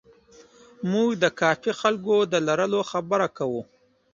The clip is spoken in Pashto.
موږ د کافي خلکو د لرلو خبره کوو.